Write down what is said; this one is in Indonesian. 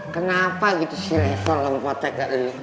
kenapa gitu si level lompatnya gak ada